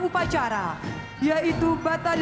seterusnya kator topi